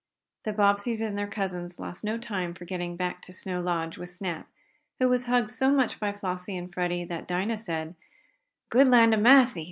The Bobbseys and their cousins lost no time for getting back to Snow Lodge with Snap, who was hugged so much by Flossie and Freddie that Dinah said: "Good land a' massy!